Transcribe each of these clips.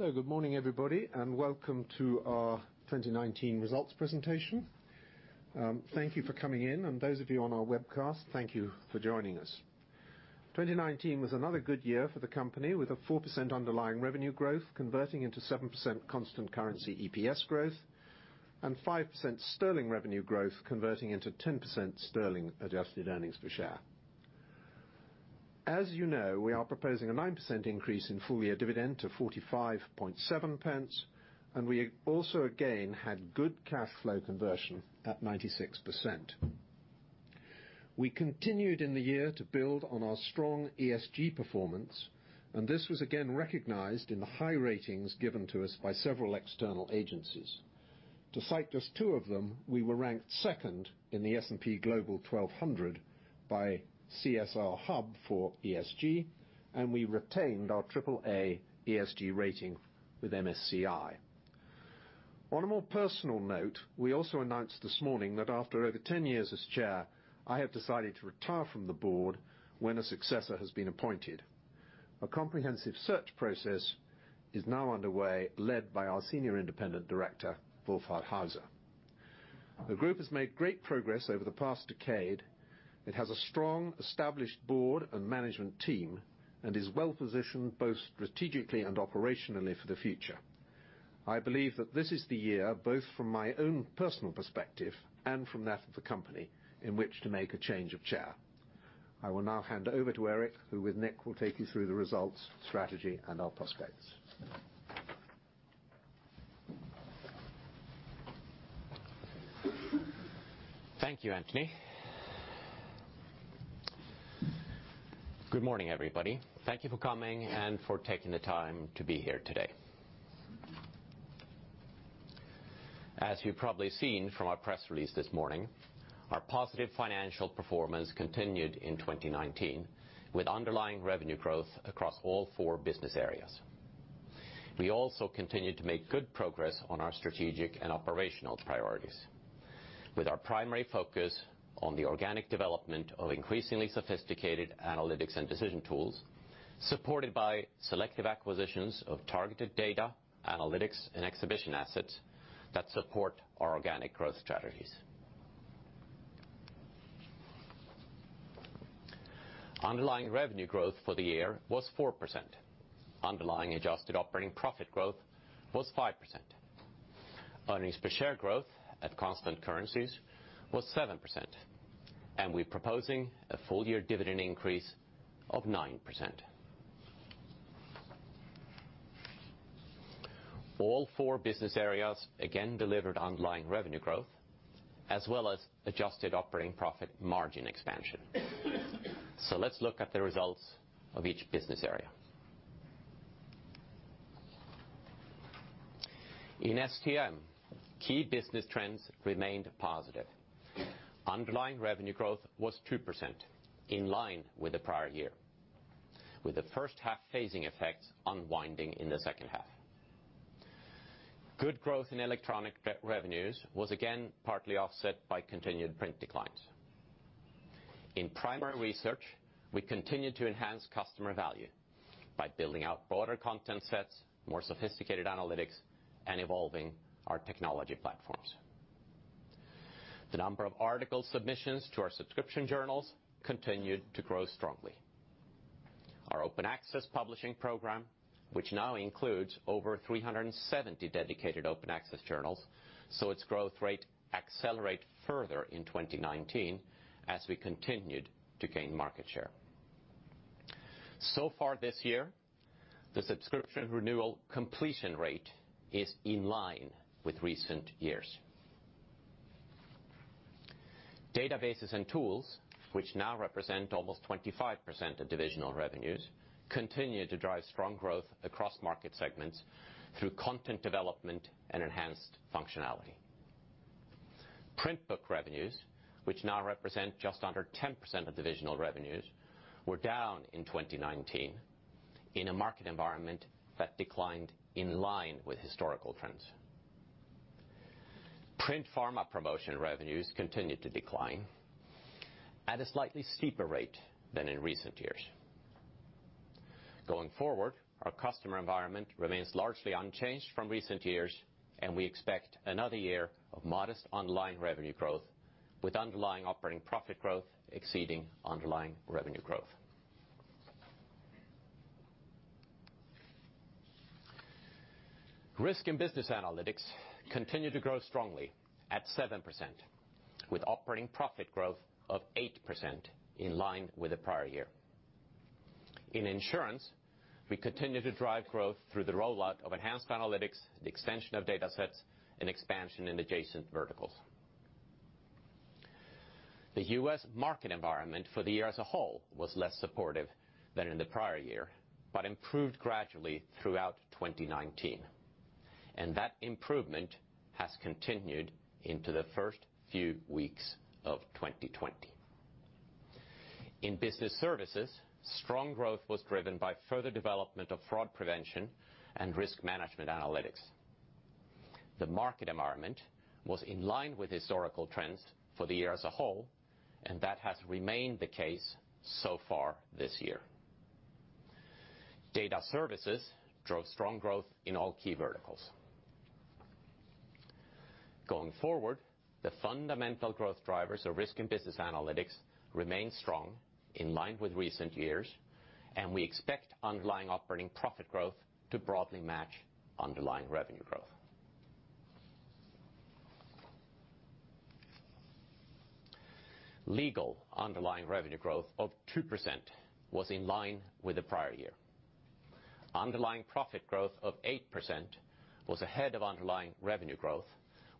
Good morning, everybody, and welcome to our 2019 results presentation. Thank you for coming in, and those of you on our webcast, thank you for joining us. 2019 was another good year for the company, with a 4% underlying revenue growth converting into 7% constant currency EPS growth and 5% sterling revenue growth converting into 10% sterling adjusted earnings per share. As you know, we are proposing a 9% increase in full-year dividend to 0.457, and we also, again, had good cash flow conversion at 96%. We continued in the year to build on our strong ESG performance, and this was again recognized in the high ratings given to us by several external agencies. To cite just two of them, we were ranked second in the S&P Global 1200 by CSRHub for ESG, and we retained our AAA ESG rating with MSCI. On a more personal note, we also announced this morning that after over 10 years as chair, I have decided to retire from the board when a successor has been appointed. A comprehensive search process is now underway, led by our senior independent director, Wolfhart Hauser. The group has made great progress over the past decade. It has a strong, established board and management team and is well-positioned both strategically and operationally for the future. I believe that this is the year, both from my own personal perspective and from that of the company, in which to make a change of chair. I will now hand over to Erik, who with Nick, will take you through the results, strategy, and our prospects. Thank you, Anthony. Good morning, everybody. Thank you for coming and for taking the time to be here today. As you've probably seen from our press release this morning, our positive financial performance continued in 2019 with underlying revenue growth across all four business areas. We also continued to make good progress on our strategic and operational priorities with our primary focus on the organic development of increasingly sophisticated analytics and decision tools, supported by selective acquisitions of targeted data, analytics, and exhibition assets that support our organic growth strategies. Underlying revenue growth for the year was 4%. Underlying Adjusted Operating Profit growth was 5%. Earnings per share growth at constant currencies was 7%, and we're proposing a full-year dividend increase of 9%. All four business areas again delivered underlying revenue growth as well as Adjusted Operating Profit margin expansion. Let's look at the results of each business area. In STM, key business trends remained positive. Underlying revenue growth was 2%, in line with the prior year, with the first half phasing effects unwinding in the second half. Good growth in electronic revenues was again partly offset by continued print declines. In primary research, we continued to enhance customer value by building out broader content sets, more sophisticated analytics, and evolving our technology platforms. The number of article submissions to our subscription journals continued to grow strongly. Our open access publishing program, which now includes over 370 dedicated open access journals, saw its growth rate accelerate further in 2019 as we continued to gain market share. Far this year, the subscription renewal completion rate is in line with recent years. Databases and tools, which now represent almost 25% of divisional revenues, continue to drive strong growth across market segments through content development and enhanced functionality. Print book revenues, which now represent just under 10% of divisional revenues, were down in 2019 in a market environment that declined in line with historical trends. Print pharma promotion revenues continued to decline at a slightly steeper rate than in recent years. Going forward, our customer environment remains largely unchanged from recent years, and we expect another year of modest online revenue growth with underlying Operating Profit growth exceeding underlying revenue growth. Risk and Business Analytics continued to grow strongly at 7%, with Operating Profit growth of 8% in line with the prior year. In insurance, we continued to drive growth through the rollout of enhanced analytics, the extension of data sets, and expansion in adjacent verticals. The U.S. market environment for the year as a whole was less supportive than in the prior year, but improved gradually throughout 2019, and that improvement has continued into the first few weeks of 2020. In business services, strong growth was driven by further development of fraud prevention and risk management analytics. The market environment was in line with historical trends for the year as a whole, and that has remained the case so far this year. Data services drove strong growth in all key verticals. Going forward, the fundamental growth drivers of Risk & Business Analytics remain strong, in line with recent years, and we expect underlying Operating Profit growth to broadly match underlying revenue growth. Legal underlying revenue growth of 2% was in line with the prior year. Underlying profit growth of 8% was ahead of underlying revenue growth,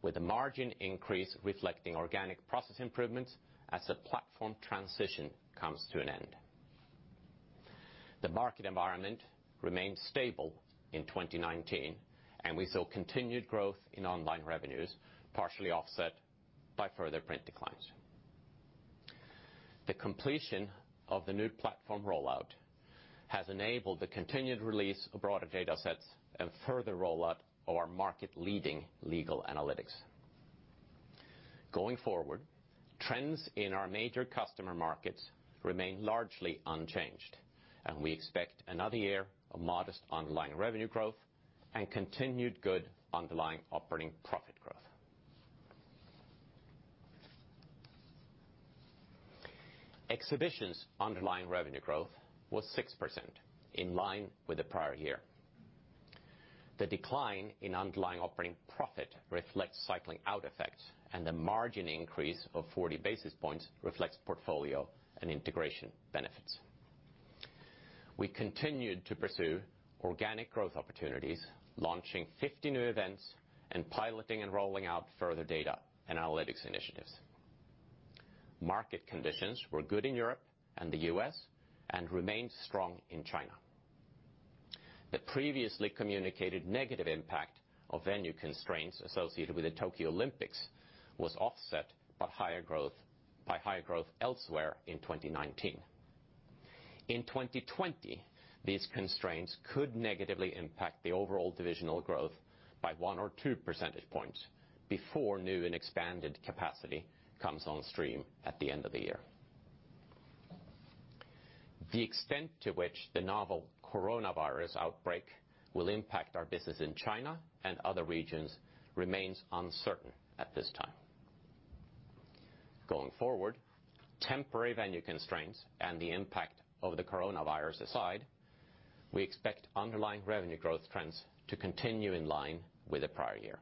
with a margin increase reflecting organic process improvements as the platform transition comes to an end. The market environment remained stable in 2019. We saw continued growth in online revenues, partially offset by further print declines. The completion of the new platform rollout has enabled the continued release of broader data sets and further rollout of our market-leading legal analytics. Going forward, trends in our major customer markets remain largely unchanged. We expect another year of modest underlying revenue growth and continued good underlying operating profit growth. Exhibitions underlying revenue growth was 6%, in line with the prior year. The decline in underlying operating profit reflects cycling out effects, and the margin increase of 40 basis points reflects portfolio and integration benefits. We continued to pursue organic growth opportunities, launching 50 new events, and piloting and rolling out further data and analytics initiatives. Market conditions were good in Europe and the U.S., and remained strong in China. The previously communicated negative impact of venue constraints associated with the Tokyo Olympics was offset by higher growth elsewhere in 2019. In 2020, these constraints could negatively impact the overall divisional growth by one or two percentage points before new and expanded capacity comes on stream at the end of the year. The extent to which the novel coronavirus outbreak will impact our business in China and other regions remains uncertain at this time. Going forward, temporary venue constraints and the impact of the coronavirus aside, we expect underlying revenue growth trends to continue in line with the prior year.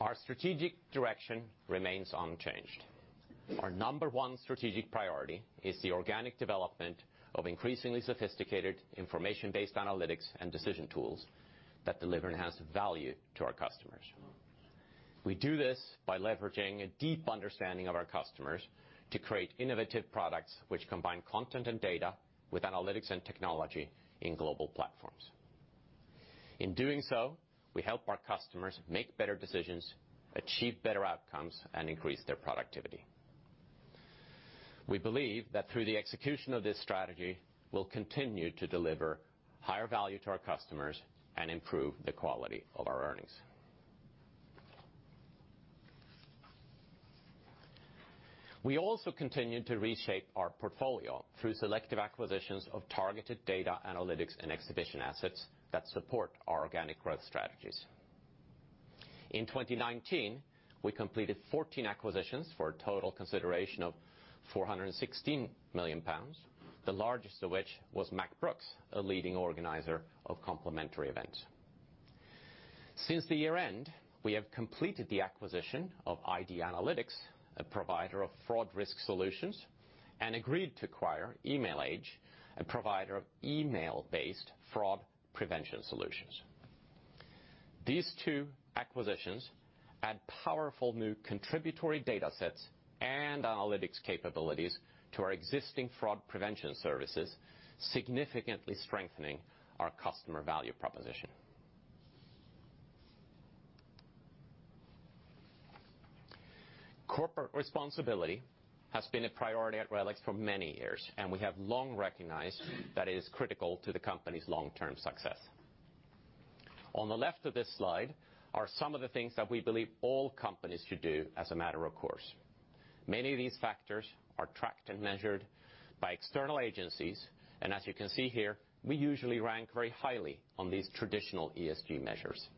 Our strategic direction remains unchanged. Our number one strategic priority is the organic development of increasingly sophisticated information-based analytics and decision tools that deliver enhanced value to our customers. We do this by leveraging a deep understanding of our customers to create innovative products which combine content and data with analytics and technology in global platforms. In doing so, we help our customers make better decisions, achieve better outcomes, and increase their productivity. We believe that through the execution of this strategy, we'll continue to deliver higher value to our customers and improve the quality of our earnings. We also continue to reshape our portfolio through selective acquisitions of targeted data analytics and exhibition assets that support our organic growth strategies. In 2019, we completed 14 acquisitions for a total consideration of 416 million pounds, the largest of which was Mack Brooks, a leading organizer of complementary events. Since the year-end, we have completed the acquisition of ID Analytics, a provider of fraud risk solutions, and agreed to acquire Emailage, a provider of email-based fraud prevention solutions. These two acquisitions add powerful new contributory data sets and analytics capabilities to our existing fraud prevention services, significantly strengthening our customer value proposition. Corporate responsibility has been a priority at RELX for many years, and we have long recognized that it is critical to the company's long-term success. On the left of this slide are some of the things that we believe all companies should do as a matter of course. Many of these factors are tracked and measured by external agencies, and as you can see here, we usually rank very highly on these traditional ESG measures.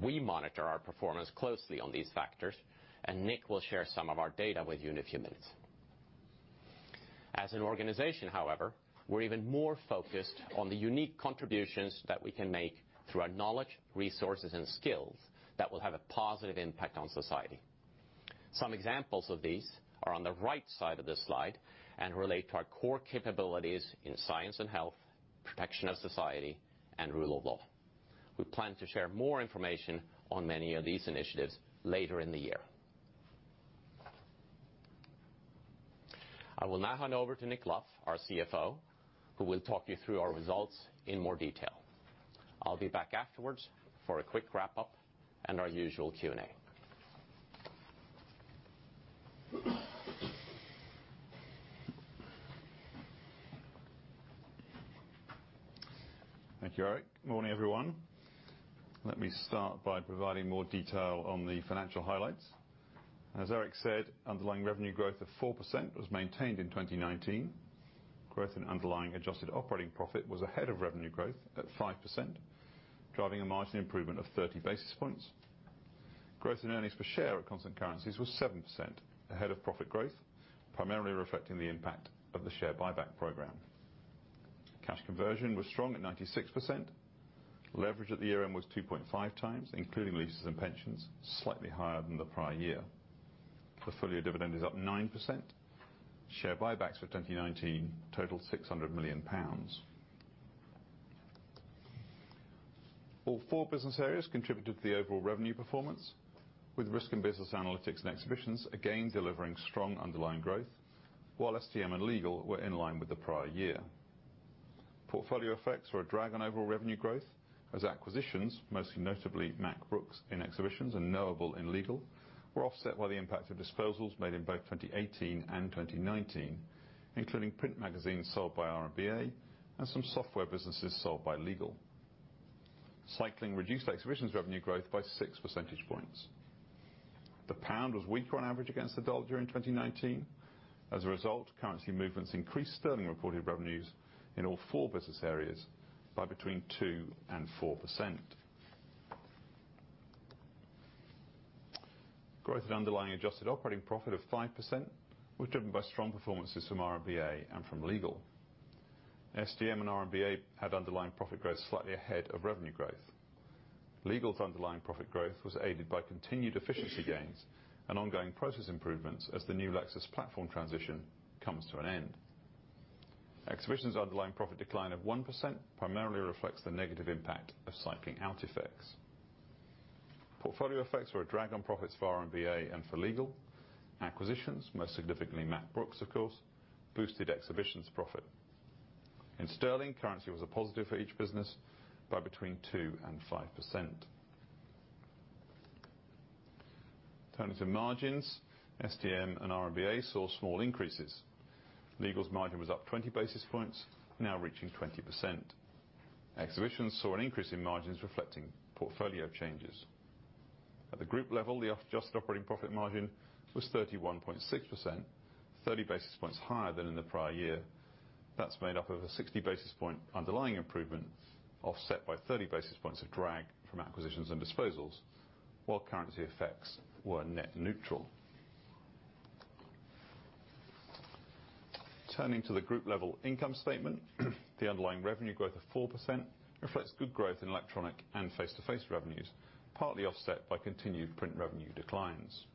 We monitor our performance closely on these factors, and Nick will share some of our data with you in a few minutes. As an organization, however, we're even more focused on the unique contributions that we can make through our knowledge, resources, and skills that will have a positive impact on society. Some examples of these are on the right side of this slide and relate to our core capabilities in science and health, protection of society, and rule of law. We plan to share more information on many of these initiatives later in the year. I will now hand over to Nick Luff, our CFO, who will talk you through our results in more detail. I'll be back afterwards for a quick wrap-up and our usual Q&A. Thank you, Erik. Morning, everyone. Let me start by providing more detail on the financial highlights. As Erik said, underlying revenue growth of 4% was maintained in 2019. Growth in underlying Adjusted Operating Profit was ahead of revenue growth at 5%, driving a margin improvement of 30 basis points. Growth in earnings per share at constant currencies was 7%, ahead of profit growth, primarily reflecting the impact of the share buyback program. Cash conversion was strong at 96%. Leverage at the year-end was 2.5x, including leases and pensions, slightly higher than the prior year. The full-year dividend is up 9%. Share buybacks for 2019 totaled 600 million pounds. All four business areas contributed to the overall revenue performance, with Risk & Business Analytics and Exhibitions again delivering strong underlying growth, while STM and Legal were in line with the prior year. Portfolio effects were a drag on overall revenue growth as acquisitions, most notably Mack Brooks in Exhibitions and Knowable in Legal, were offset by the impact of disposals made in both 2018 and 2019, including print magazines sold by RBA and some software businesses sold by Legal. Cycling reduced Exhibitions revenue growth by 6 percentage points. The pound was weaker on average against the dollar during 2019. As a result, currency movements increased sterling reported revenues in all four business areas by between 2% and 4%. Growth in underlying Adjusted Operating Profit of 5% was driven by strong performances from RBA and from Legal. STM and RBA had underlying profit growth slightly ahead of revenue growth. Legal's underlying profit growth was aided by continued efficiency gains and ongoing process improvements as the new Lexis platform transition comes to an end. Exhibitions' underlying profit decline of 1% primarily reflects the negative impact of cycling out effects. Portfolio effects were a drag on profits for RBA and for Legal. Acquisitions, most significantly Mack Brooks, of course, boosted Exhibitions profit. In sterling, currency was a positive for each business by between 2% and 5%. Turning to margins, STM and RBA saw small increases. Legal's margin was up 20 basis points, now reaching 20%. Exhibitions saw an increase in margins reflecting portfolio changes. At the group level, the Adjusted Operating Profit margin was 31.6%, 30 basis points higher than in the prior year. That's made up of a 60 basis point underlying improvement, offset by 30 basis points of drag from acquisitions and disposals, while currency effects were net neutral. Turning to the group level income statement, the underlying revenue growth of 4% reflects good growth in electronic and face-to-face revenues, partly offset by continued print revenue declines.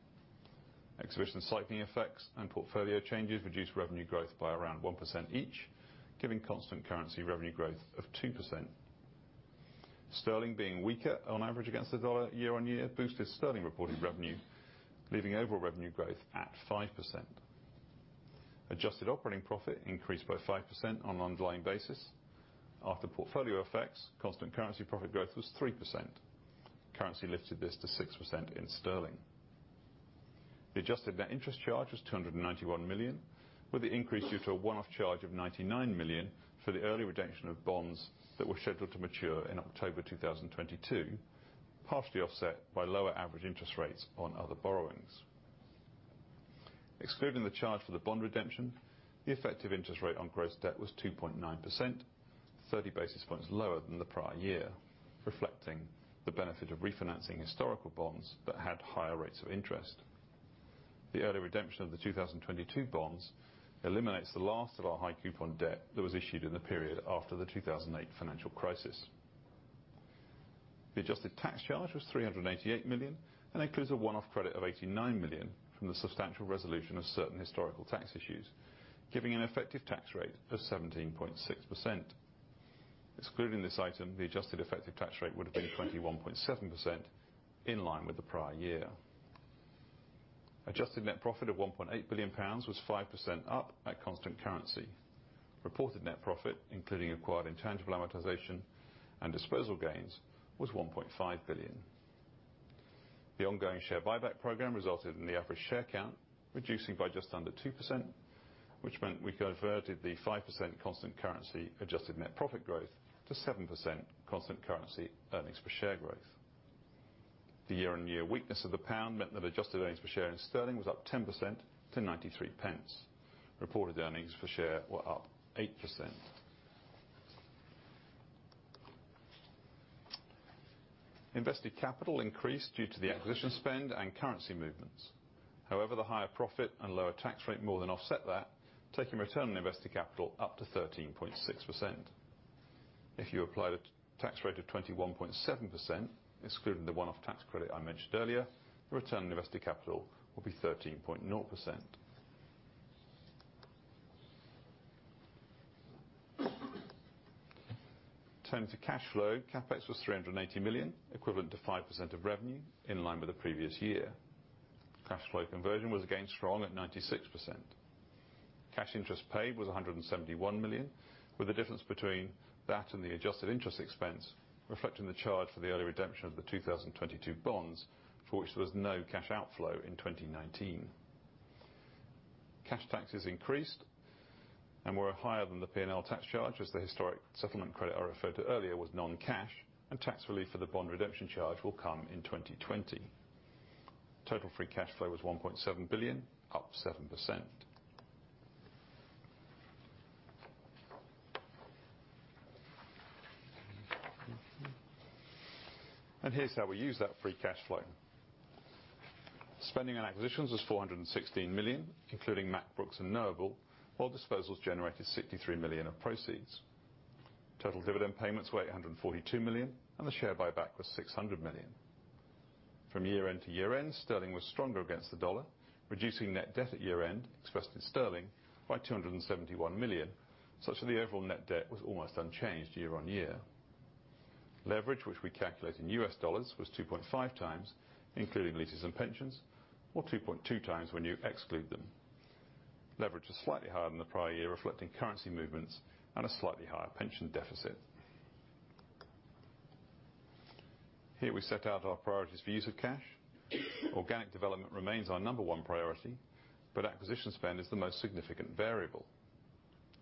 Exhibitions cycling effects and portfolio changes reduced revenue growth by around 1% each, giving constant currency revenue growth of 2%. Sterling being weaker on average against the dollar year on year boosted sterling reported revenue, leaving overall revenue growth at 5%. Adjusted Operating Profit increased by 5% on an underlying basis. After portfolio effects, constant currency profit growth was 3%. Currency lifted this to 6% in sterling. The adjusted net interest charge was 291 million, with the increase due to a one-off charge of 99 million for the early redemption of bonds that were scheduled to mature in October 2022, partially offset by lower average interest rates on other borrowings. Excluding the charge for the bond redemption, the effective interest rate on gross debt was 2.9%, 30 basis points lower than the prior year, reflecting the benefit of refinancing historical bonds that had higher rates of interest. The early redemption of the 2022 bonds eliminates the last of our high coupon debt that was issued in the period after the 2008 financial crisis. The adjusted tax charge was 388 million, and includes a one-off credit of 89 million from the substantial resolution of certain historical tax issues, giving an effective tax rate of 17.6%. Excluding this item, the adjusted effective tax rate would have been 21.7%, in line with the prior year. Adjusted net profit of 1.8 billion pounds was 5% up at constant currency. Reported net profit, including acquired intangible amortization and disposal gains, was 1.5 billion. The ongoing share buyback program resulted in the average share count reducing by just under 2%, which meant we converted the 5% constant currency adjusted net profit growth to 7% constant currency EPS growth. The year-on-year weakness of the pound meant that adjusted EPS in sterling was up 10% to 0.93. Reported EPS were up 8%. Invested capital increased due to the acquisition spend and currency movements. However, the higher profit and lower tax rate more than offset that, taking Return on Invested Capital up to 13.6%. If you apply the tax rate of 21.7%, excluding the one-off tax credit I mentioned earlier, the Return on Invested Capital will be 13.0%. Turning to cash flow, CapEx was 380 million, equivalent to 5% of revenue, in line with the previous year. Cash flow conversion was again strong at 96%. Cash interest paid was 171 million, with the difference between that and the adjusted interest expense reflecting the charge for the early redemption of the 2022 bonds, for which there was no cash outflow in 2019. Cash taxes increased and were higher than the P&L tax charge, as the historic settlement credit I referred to earlier was non-cash, and tax relief for the bond redemption charge will come in 2020. Total free cash flow was 1.7 billion, up 7%. Here's how we use that free cash flow. Spending on acquisitions was 416 million, including Mack Brooks and Knowable, while disposals generated 63 million of proceeds. Total dividend payments were 842 million. The share buyback was 600 million. From year-end to year-end, sterling was stronger against the dollar, reducing net debt at year-end, expressed in sterling, by 271 million, such that the overall net debt was almost unchanged year-on-year. Leverage, which we calculate in US dollars, was 2.5x, including leases and pensions, or 2.2x when you exclude them. Leverage was slightly higher than the prior year, reflecting currency movements and a slightly higher pension deficit. Here we set out our priorities for use of cash. Organic development remains our number one priority. Acquisition spend is the most significant variable.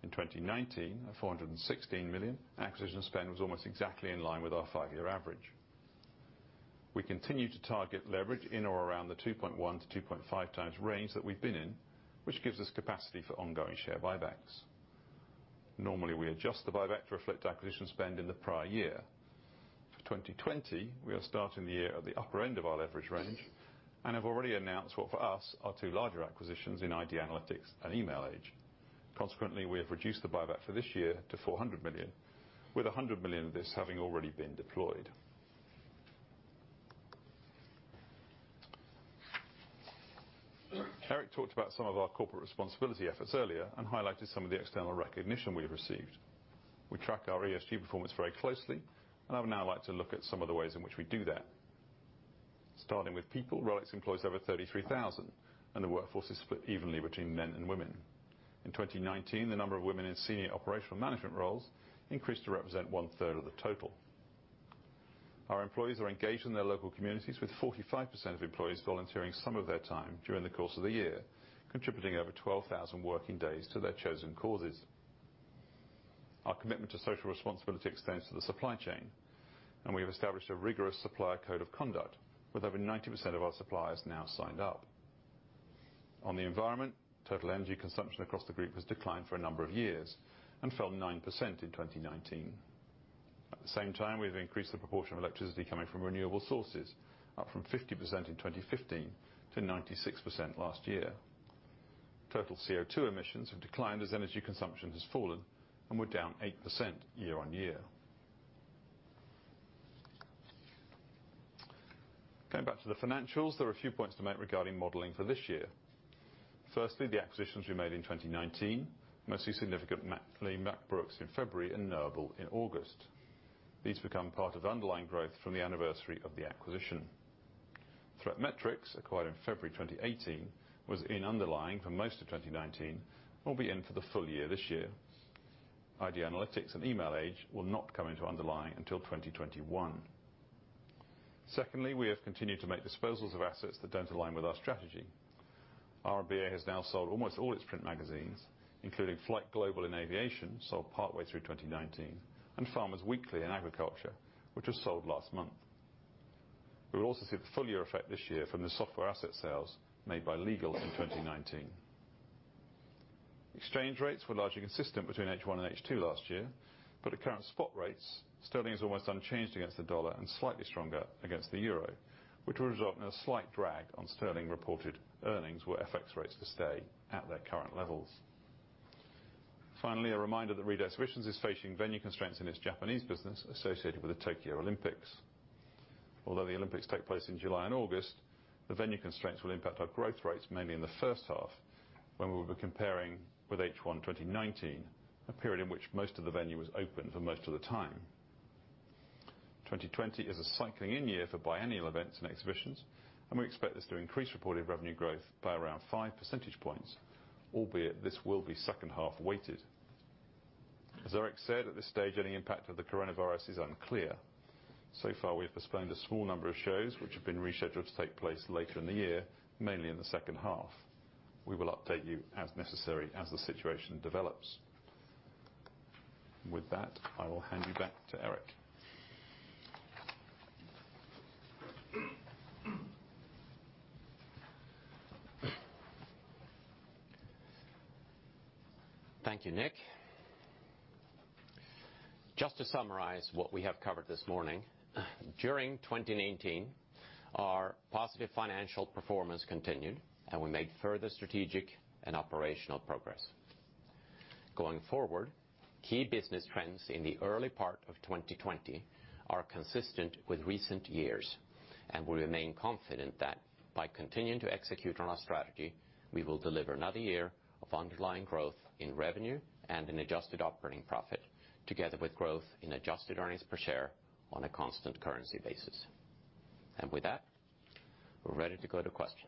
In 2019, at 416 million, acquisition spend was almost exactly in line with our five-year average. We continue to target leverage in or around the 2.1x-2.5x range that we've been in, which gives us capacity for ongoing share buybacks. Normally, we adjust the buyback to reflect acquisition spend in the prior year. For 2020, we are starting the year at the upper end of our leverage range and have already announced what, for us, are two larger acquisitions in ID Analytics and Emailage. Consequently, we have reduced the buyback for this year to 400 million, with 100 million of this having already been deployed. Erik talked about some of our corporate responsibility efforts earlier and highlighted some of the external recognition we have received. We track our ESG performance very closely, and I would now like to look at some of the ways in which we do that. Starting with people, RELX employs over 33,000, and the workforce is split evenly between men and women. In 2019, the number of women in senior operational management roles increased to represent 1/3 of the total. Our employees are engaged in their local communities, with 45% of employees volunteering some of their time during the course of the year, contributing over 12,000 working days to their chosen causes. Our commitment to social responsibility extends to the supply chain, and we have established a rigorous supplier code of conduct, with over 90% of our suppliers now signed up. On the environment, total energy consumption across the group has declined for a number of years and fell 9% in 2019. At the same time, we've increased the proportion of electricity coming from renewable sources, up from 50% in 2015 to 96% last year. Total CO2 emissions have declined as energy consumption has fallen and were down 8% year-on-year. Going back to the financials, there are a few points to make regarding modeling for this year. Firstly, the acquisitions we made in 2019, most significantly Mack Brooks in February and Knowable in August. These become part of underlying growth from the anniversary of the acquisition. ThreatMetrix, acquired in February 2018, was in underlying for most of 2019, will be in for the full year this year. ID Analytics and Emailage will not come into underlying until 2021. Secondly, we have continued to make disposals of assets that don't align with our strategy. RBA has now sold almost all its print magazines, including FlightGlobal in aviation, sold partly through 2019, and Farmers Weekly in agriculture, which was sold last month. We will also see the full year effect this year from the software asset sales made by Legal in 2019. Exchange rates were largely consistent between H1 and H2 last year, but at current spot rates, sterling is almost unchanged against the USD and slightly stronger against the euro, which will result in a slight drag on sterling reported earnings were FX rates to stay at their current levels. Finally, a reminder that Reed Exhibitions is facing venue constraints in its Japanese business associated with the Tokyo Olympics. Although the Olympics take place in July and August, the venue constraints will impact our growth rates mainly in the first half, when we will be comparing with H1 2019, a period in which most of the venue was open for most of the time. 2020 is a cycling in-year for biennial events and exhibitions, and we expect this to increase reported revenue growth by around 5 percentage points, albeit this will be second-half weighted. As Erik said, at this stage, any impact of the coronavirus is unclear. Far, we've postponed a small number of shows which have been rescheduled to take place later in the year, mainly in the second half. We will update you as necessary as the situation develops. With that, I will hand you back to Erik. Thank you, Nick. Just to summarize what we have covered this morning. During 2019, our positive financial performance continued, and we made further strategic and operational progress. Going forward, key business trends in the early part of 2020 are consistent with recent years, and we remain confident that by continuing to execute on our strategy, we will deliver another year of underlying growth in revenue and in Adjusted Operating Profit, together with growth in adjusted earnings per share on a constant currency basis. With that. We're ready to go to questions.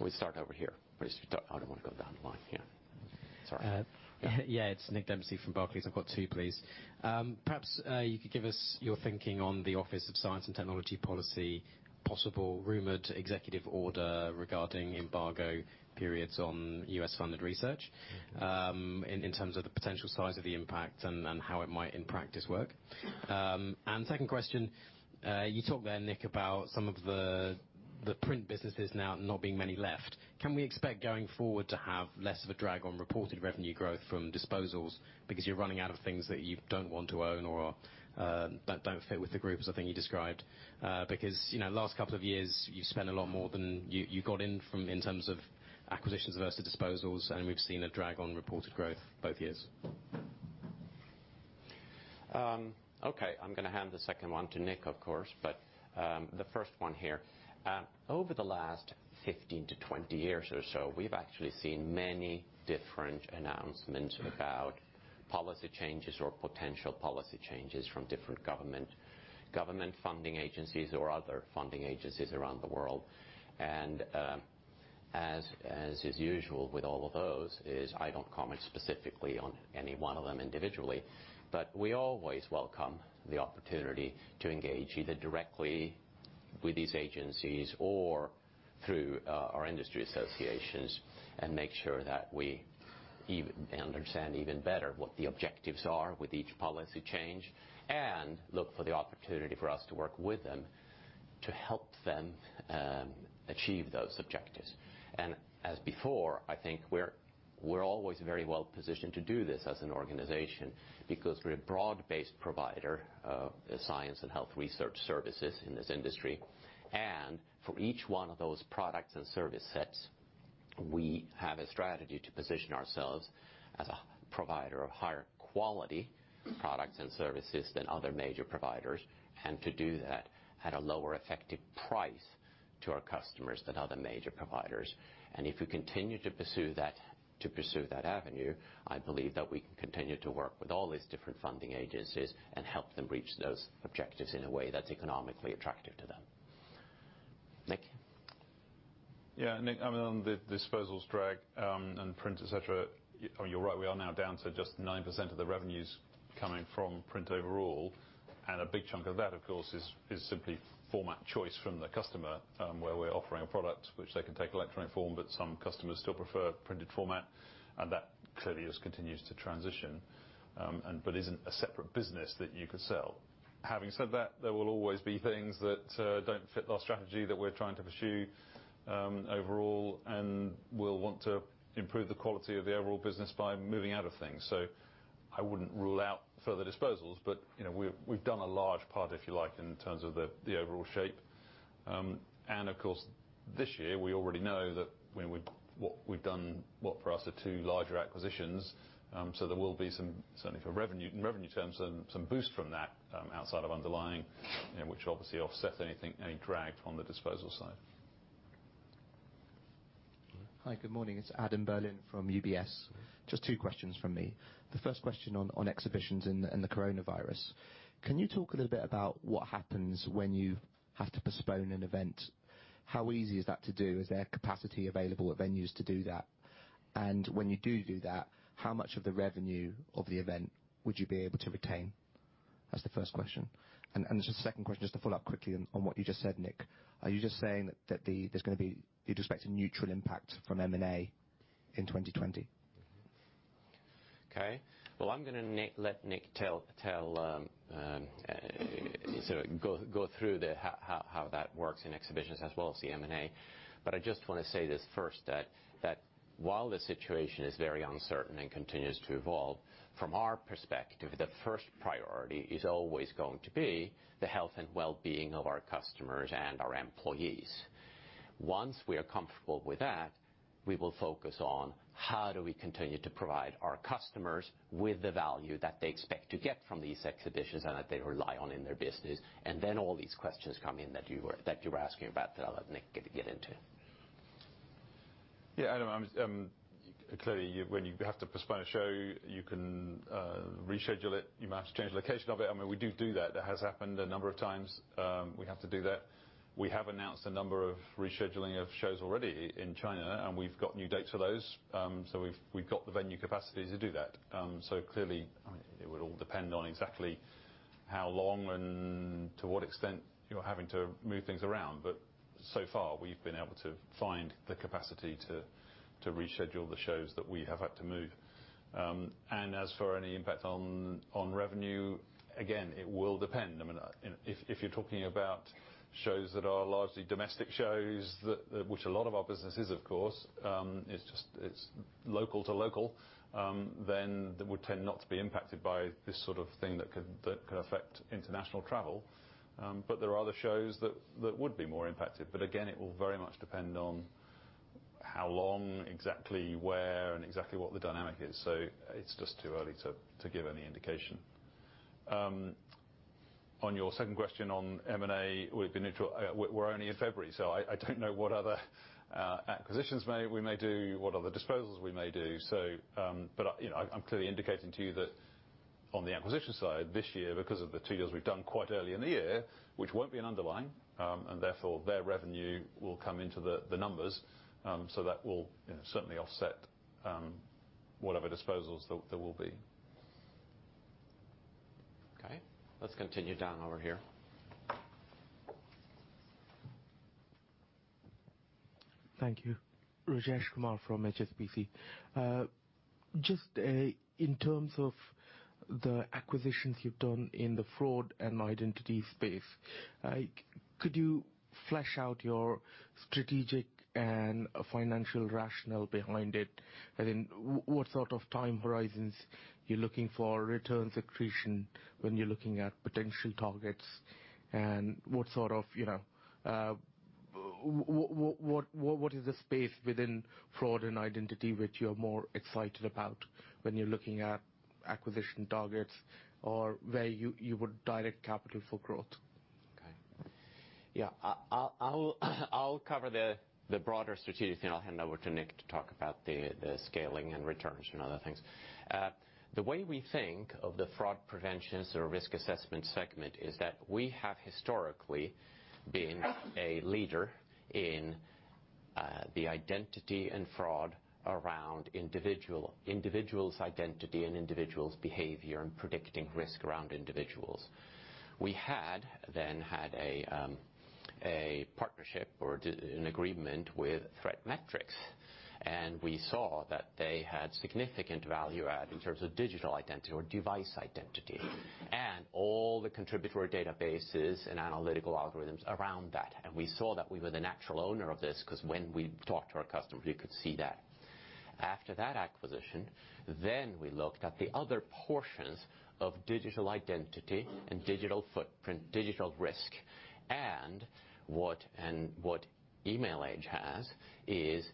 We start over here. I don't want to go down the line. Yeah. Sorry. It's Nick Dempsey from Barclays. I've got two, please. Perhaps you could give us your thinking on the Office of Science and Technology Policy possible rumored executive order regarding embargo periods on U.S.-funded research, in terms of the potential size of the impact and how it might in practice work. Second question, you talked there, Nick, about some of the print businesses now not being many left. Can we expect going forward to have less of a drag on reported revenue growth from disposals because you're running out of things that you don't want to own or that don't fit with the group, as I think you described? Last couple of years, you've spent a lot more than you got in terms of acquisitions versus disposals, and we've seen a drag on reported growth both years. Okay. I am going to hand the second one to Nick, of course, but the first one here. Over the last 15-20 years or so, we have actually seen many different announcements about policy changes or potential policy changes from different government funding agencies or other funding agencies around the world. As is usual with all of those is I do not comment specifically on any one of them individually. We always welcome the opportunity to engage either directly with these agencies or through our industry associations and make sure that we understand even better what the objectives are with each policy change and look for the opportunity for us to work with them to help them achieve those objectives. As before, I think we're always very well positioned to do this as an organization because we're a broad-based provider of science and health research services in this industry. For each one of those products and service sets, we have a strategy to position ourselves as a provider of higher quality products and services than other major providers, and to do that at a lower effective price to our customers than other major providers. If we continue to pursue that avenue, I believe that we can continue to work with all these different funding agencies and help them reach those objectives in a way that's economically attractive to them. Nick. Yeah. Nick, on the disposals drag and print, et cetera, you're right, we are now down to just 9% of the revenues coming from print overall. A big chunk of that, of course, is simply format choice from the customer, where we're offering a product which they can take electronic form, but some customers still prefer printed format. That clearly just continues to transition. Isn't a separate business that you could sell. Having said that, there will always be things that don't fit our strategy that we're trying to pursue overall, and we'll want to improve the quality of the overall business by moving out of things. I wouldn't rule out further disposals, but we've done a large part, if you like, in terms of the overall shape. Of course, this year, we already know that what for us are two larger acquisitions. There will be some, certainly for revenue terms, some boost from that outside of underlying, which obviously offsets any drag from the disposal side. All right. Hi, good morning. It's Adam Berlin from UBS. Just two questions from me. The first question on exhibitions and the coronavirus. Can you talk a little bit about what happens when you have to postpone an event? How easy is that to do? Is there capacity available at venues to do that? When you do that, how much of the revenue of the event would you be able to retain? That's the first question. Just a second question, just to follow up quickly on what you just said, Nick. Are you just saying that you'd expect a neutral impact from M&A in 2020? Well, I'm going to let Nick go through how that works in exhibitions as well as the M&A. I just want to say this first, that while the situation is very uncertain and continues to evolve, from our perspective, the first priority is always going to be the health and wellbeing of our customers and our employees. Once we are comfortable with that, we will focus on how do we continue to provide our customers with the value that they expect to get from these exhibitions and that they rely on in their business. All these questions come in that you were asking about that I'll let Nick get into. Adam, clearly, when you have to postpone a show, you can reschedule it. You might have to change location of it. We do that. That has happened a number of times. We have to do that. We have announced a number of rescheduling of shows already in China, and we've got new dates for those. We've got the venue capacity to do that. Clearly, it would all depend on exactly how long and to what extent you're having to move things around. So far, we've been able to find the capacity to reschedule the shows that we have had to move. As for any impact on revenue, again, it will depend. If you're talking about shows that are largely domestic shows, which a lot of our business is, of course, it's local to local, then they would tend not to be impacted by this sort of thing that could affect international travel. There are other shows that would be more impacted. Again, it will very much depend on how long, exactly where, and exactly what the dynamic is. It's just too early to give any indication. On your second question on M&A, we're only in February, so I don't know what other acquisitions we may do, what other disposals we may do. I'm clearly indicating to you that on the acquisition side, this year, because of the two deals we've done quite early in the year, which won't be an underlying, and therefore their revenue will come into the numbers. That will certainly offset whatever disposals there will be. Okay. Let's continue down over here. Thank you. Rajesh Kumar from HSBC. In terms of the acquisitions you've done in the fraud and identity space, could you flesh out your strategic and financial rationale behind it? What sort of time horizons you're looking for return accretion when you're looking at potential targets? What is the space within fraud and identity which you're more excited about when you're looking at acquisition targets or where you would direct capital for growth? Okay. Yeah. I'll cover the broader strategic, I'll hand over to Nick to talk about the scaling and returns and other things. The way we think of the fraud preventions or risk assessment segment is that we have historically been a leader in the identity and fraud around individual's identity and individual's behavior and predicting risk around individuals. We had then had a partnership or an agreement with ThreatMetrix, we saw that they had significant value add in terms of digital identity or device identity, and all the contributory databases and analytical algorithms around that. We saw that we were the natural owner of this because when we talked to our customers, we could see that. After that acquisition, we looked at the other portions of digital identity and digital footprint, digital risk. What Emailage has is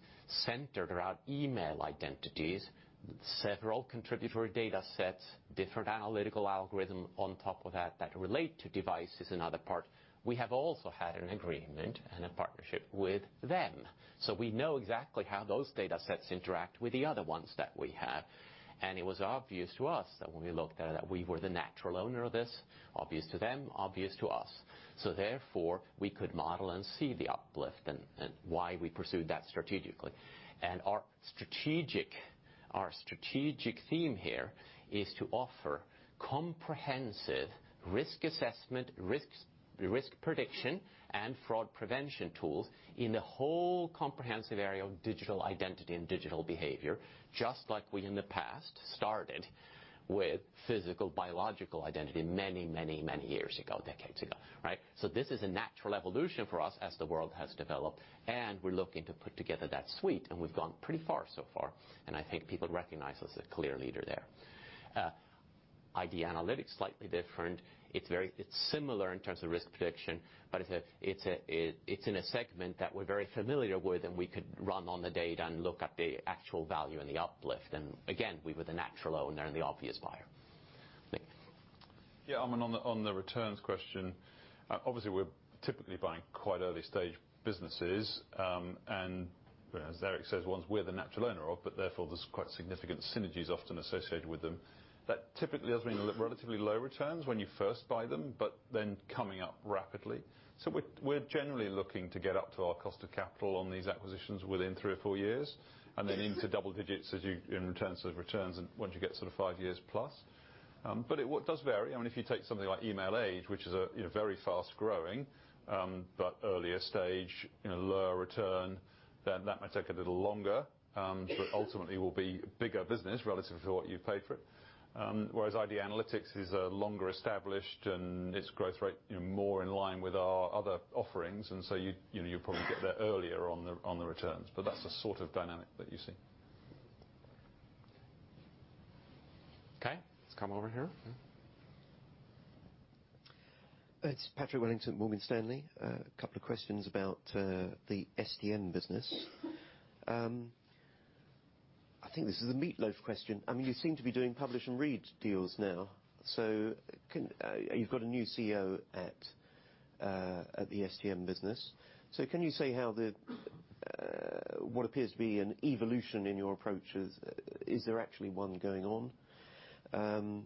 centered around email identities, several contributory data sets, different analytical algorithm on top of that relate to devices and other parts. We have also had an agreement and a partnership with them. We know exactly how those data sets interact with the other ones that we have. It was obvious to us that when we looked at it, that we were the natural owner of this, obvious to them, obvious to us. Therefore, we could model and see the uplift and why we pursued that strategically. Our strategic theme here is to offer comprehensive risk assessment, risk prediction, and fraud prevention tools in the whole comprehensive area of digital identity and digital behavior, just like we in the past started with physical, biological identity many years ago, decades ago, right? This is a natural evolution for us as the world has developed, and we're looking to put together that suite, and we've gone pretty far so far, and I think people recognize us as a clear leader there. ID Analytics, slightly different. It's similar in terms of risk prediction, but it's in a segment that we're very familiar with, and we could run on the data and look at the actual value and the uplift, and again, we were the natural owner and the obvious buyer. Nick. Yeah, on the returns question, obviously we're typically buying quite early-stage businesses, and as Erik says, ones we're the natural owner of, but therefore there's quite significant synergies often associated with them. That typically does mean relatively low returns when you first buy them, but then coming up rapidly. We're generally looking to get up to our cost of capital on these acquisitions within three or four years, and then into double digits in returns once you get sort of five years plus. It does vary. If you take something like Emailage, which is very fast-growing, but earlier stage, lower return, then that might take a little longer. Ultimately, will be bigger business relative to what you paid for it. Whereas ID Analytics is longer established, and its growth rate more in line with our other offerings, and so you'd probably get there earlier on the returns. That's the sort of dynamic that you see. Okay. Let's come over here. It's Patrick Wellington, Morgan Stanley. A couple of questions about the STM business. I think this is a meatloaf question. You seem to be doing publish and read deals now. You've got a new CEO at the STM business. Can you say what appears to be an evolution in your approach, is there actually one going on?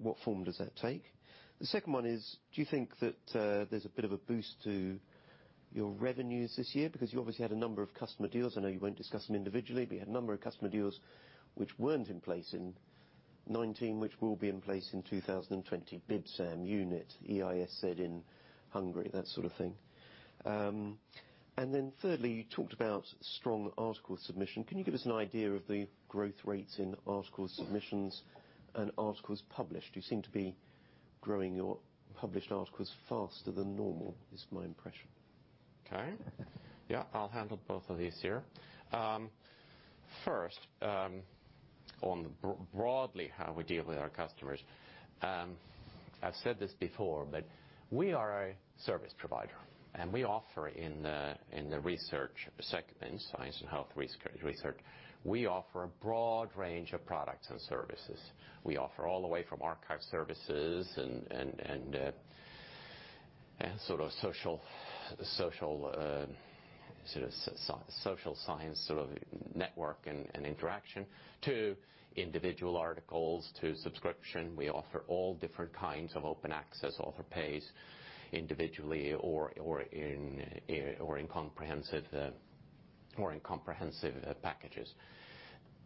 What form does that take? The second one is, do you think that there's a bit of a boost to your revenues this year? You obviously had a number of customer deals. I know you won't discuss them individually, but you had a number of customer deals which weren't in place in 2019, which will be in place in 2020, Bibsam unit, EISZ in Hungary, that sort of thing. Thirdly, you talked about strong article submission. Can you give us an idea of the growth rates in article submissions and articles published? You seem to be growing your published articles faster than normal, is my impression. Okay. Yeah, I'll handle both of these here. First, on broadly how we deal with our customers. I've said this before. We are a service provider, and we offer in the research segment, science and health research, we offer a broad range of products and services. We offer all the way from archive services and social science network and interaction to individual articles to subscription. We offer all different kinds of open access, author-pays individually or in comprehensive packages.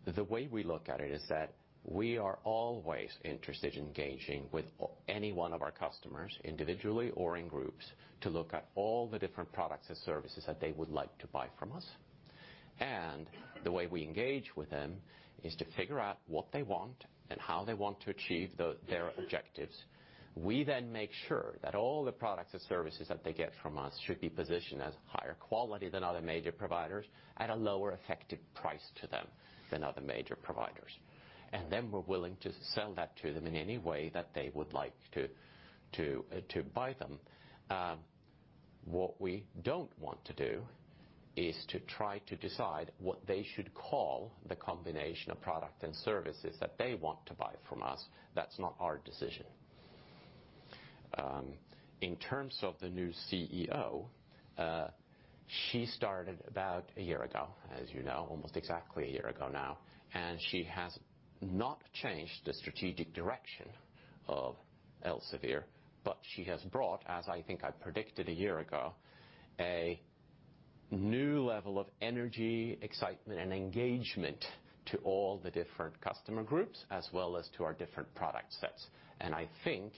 The way we look at it is that we are always interested in engaging with any one of our customers, individually or in groups, to look at all the different products and services that they would like to buy from us. The way we engage with them is to figure out what they want and how they want to achieve their objectives. We then make sure that all the products and services that they get from us should be positioned as higher quality than other major providers at a lower effective price to them than other major providers. Then we're willing to sell that to them in any way that they would like to buy them. What we don't want to do is to try to decide what they should call the combination of product and services that they want to buy from us. That's not our decision. In terms of the new CEO, she started about a year ago, as you know, almost exactly a year ago now, she has not changed the strategic direction of Elsevier, but she has brought, as I think I predicted a year ago, a new level of energy, excitement, and engagement to all the different customer groups, as well as to our different product sets. I think,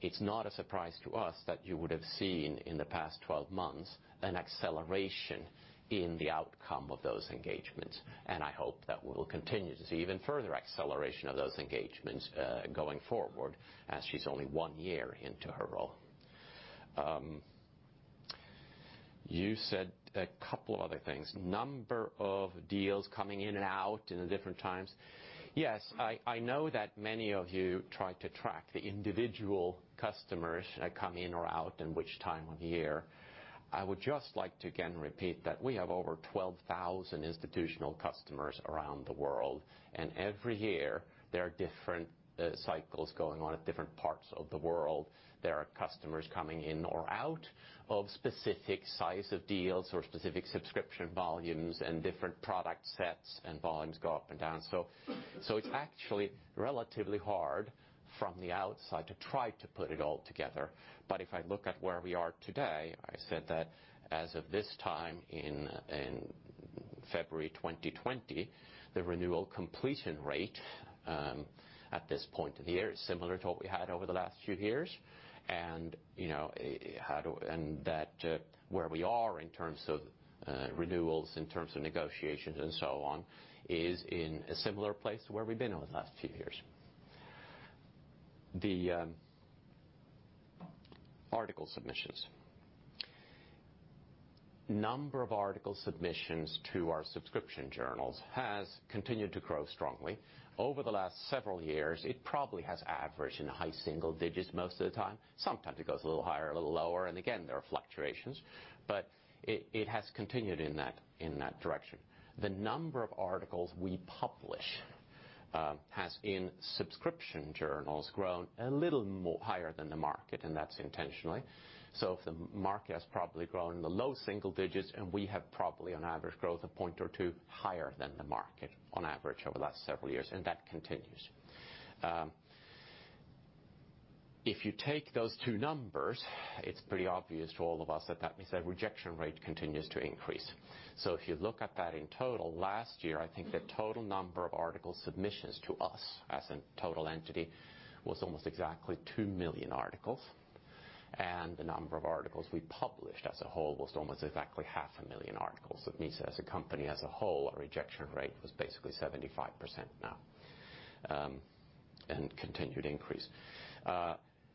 it's not a surprise to us that you would have seen in the past 12 months an acceleration in the outcome of those engagements. I hope that we will continue to see even further acceleration of those engagements, going forward as she's only one year into her role. You said a couple other things. Number of deals coming in and out in the different times. Yes. I know that many of you try to track the individual customers that come in or out in which time of year. I would just like to again repeat that we have over 12,000 institutional customers around the world, and every year, there are different cycles going on at different parts of the world. There are customers coming in or out of specific size of deals or specific subscription volumes and different product sets and volumes go up and down. It's actually relatively hard from the outside to try to put it all together. If I look at where we are today, I said that as of this time in February 2020, the renewal completion rate, at this point of the year, is similar to what we had over the last few years, and that where we are in terms of renewals, in terms of negotiations and so on, is in a similar place to where we've been over the last few years. Number of article submissions to our subscription journals has continued to grow strongly. Over the last several years, it probably has averaged in the high single digits most of the time. Sometimes it goes a little higher, a little lower, and again, there are fluctuations, but it has continued in that direction. The number of articles we publish has, in subscription journals, grown a little more higher than the market, and that's intentionally. If the market has probably grown in the low single digits, and we have probably on average growth a point or two higher than the market on average over the last several years, and that continues. If you take those two numbers, it's pretty obvious to all of us that that means that rejection rate continues to increase. If you look at that in total, last year, I think the total number of article submissions to us as a total entity was almost exactly 2 million articles. The number of articles we published as a whole was almost exactly half a million articles. That means that as a company, as a whole, our rejection rate was basically 75% now, and continued increase.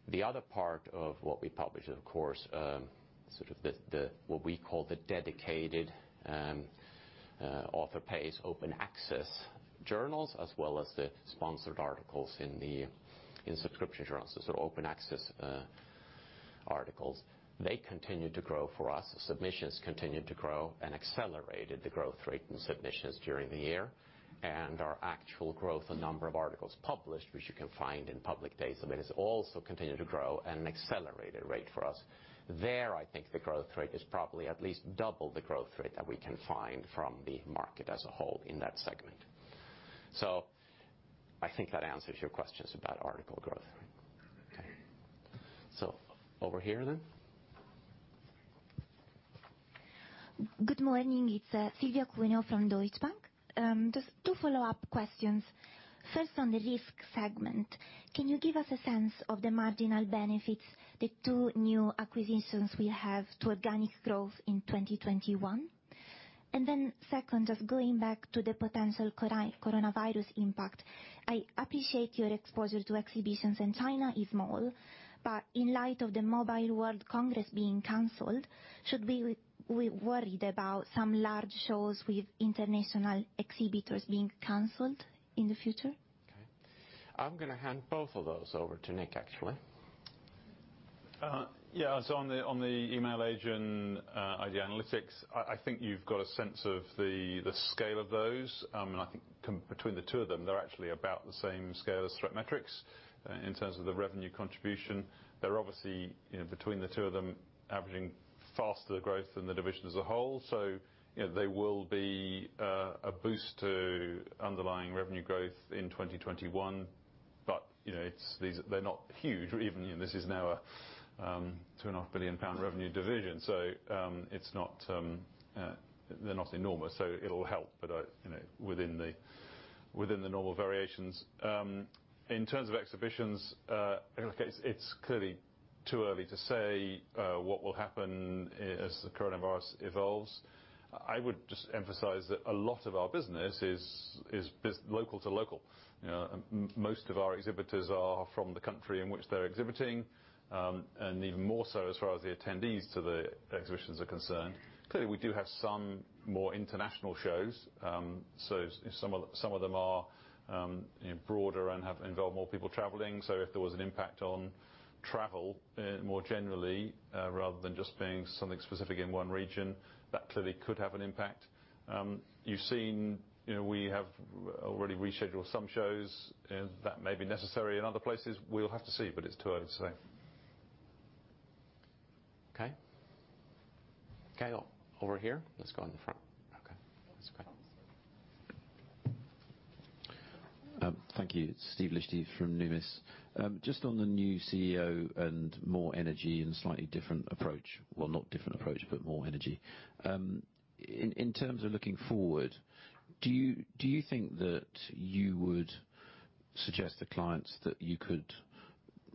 The other part of what we publish, of course, sort of what we call the dedicated author-pays open access journals, as well as the sponsored articles in subscription journals. Open access articles, they continue to grow for us. Submissions continued to grow and accelerated the growth rate in submissions during the year. Our actual growth and number of articles published, which you can find in public data, has also continued to grow at an accelerated rate for us. There, I think the growth rate is probably at least double the growth rate that we can find from the market as a whole in that segment. I think that answers your questions about article growth. Okay. Over here then. Good morning. It's Silvia Cuneo from Deutsche Bank. Just two follow-up questions. First, on the risk segment, can you give us a sense of the marginal benefits the two new acquisitions will have to organic growth in 2021? Then second, just going back to the potential coronavirus impact. I appreciate your exposure to exhibitions in China is small, but in light of the Mobile World Congress being canceled, should we be worried about some large shows with international exhibitors being canceled in the future? Okay. I'm going to hand both of those over to Nick, actually. Yeah. On the Emailage and ID Analytics, I think you've got a sense of the scale of those. I think between the two of them, they're actually about the same scale as ThreatMetrix in terms of the revenue contribution. They're obviously, between the two of them, averaging faster growth than the division as a whole. They will be a boost to underlying revenue growth in 2021. They're not huge, or even this is now a 2.5 billion pound revenue division. They're not enormous. It'll help, but within the normal variations. In terms of Exhibitions, it's clearly too early to say what will happen as the Coronavirus evolves. I would just emphasize that a lot of our business is local to local. Most of our exhibitors are from the country in which they're exhibiting, and even more so as far as the attendees to the exhibitions are concerned. Clearly, we do have some more international shows. Some of them are broader and involve more people traveling. If there was an impact on travel more generally, rather than just being something specific in one region, that clearly could have an impact. You've seen we have already rescheduled some shows. That may be necessary in other places. We'll have to see, but it's too early to say. Okay. Over here. Let's go in the front. Okay. That's great. Thank you. Steve Liechti from Numis. Just on the new CEO and more energy and slightly different approach, well, not different approach, but more energy. In terms of looking forward, do you think that you would suggest to clients that you could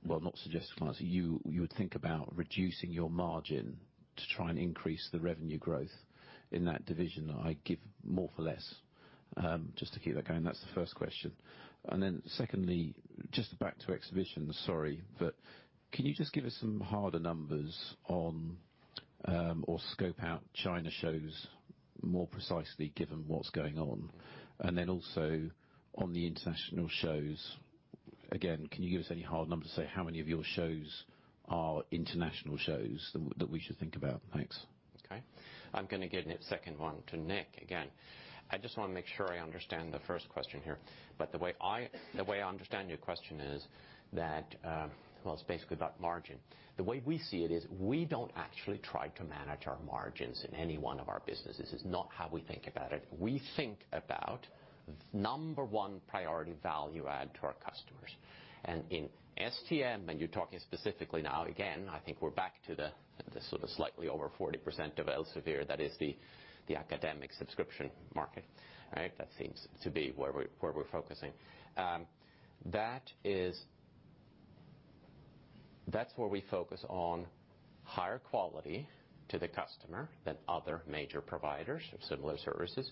well, not suggest to clients, you would think about reducing your margin to try and increase the revenue growth in that division, like give more for less? Just to keep that going. That's the first question. Then secondly, just back to Exhibitions, sorry, but can you just give us some harder numbers on, or scope out China shows more precisely given what's going on? Then also on the international shows, again, can you give us any hard numbers to say how many of your shows are international shows that we should think about? Thanks. Okay. I'm going to give the second one to Nick again. I just want to make sure I understand the first question here. The way I understand your question is that, well, it's basically about margin. The way we see it is we don't actually try to manage our margins in any one of our businesses. It's not how we think about it. We think about number one priority value add to our customers. In STM, you're talking specifically now, again, I think we're back to the sort of slightly over 40% of Elsevier, that is the academic subscription market. That seems to be where we're focusing. That's where we focus on higher quality to the customer than other major providers of similar services,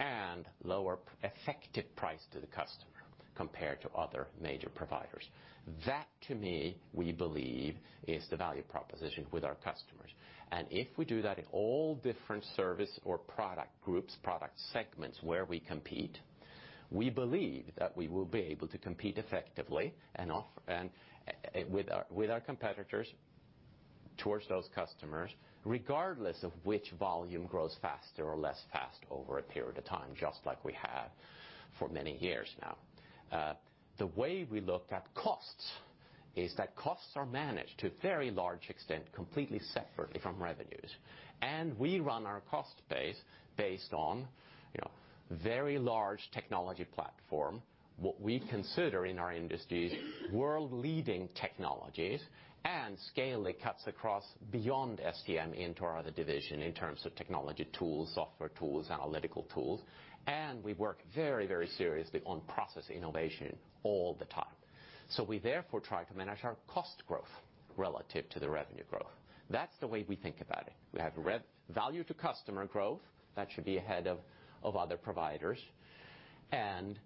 and lower effective price to the customer compared to other major providers. That, to me, we believe is the value proposition with our customers. If we do that in all different service or product groups, product segments where we compete, we believe that we will be able to compete effectively with our competitors towards those customers, regardless of which volume grows faster or less fast over a period of time, just like we have for many years now. The way we look at costs is that costs are managed to a very large extent, completely separately from revenues. We run our cost base based on very large technology platform, what we consider in our industries, world-leading technologies, and scale that cuts across beyond STM into our other division in terms of technology tools, software tools, analytical tools. We work very seriously on process innovation all the time. We therefore try to manage our cost growth relative to the revenue growth. That's the way we think about it. We have value to customer growth that should be ahead of other providers, and